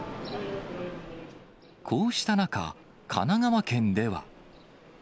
こうした中、神奈川県では。